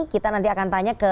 kita nanti akan tanya ke